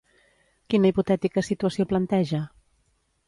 Quina hipotètica situació planteja?